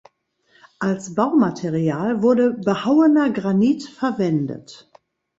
Als Baumaterial wurde behauener Granit verwendet.